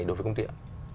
đối với công ty ạ